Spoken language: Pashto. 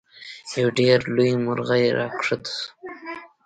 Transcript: یو ډیر لوی مرغۍ راکوز شو.